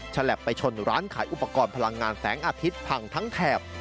ฉลับไปชนร้านขายอุปกรณ์พลังงานแสงอาทิตย์พังทั้งแถบ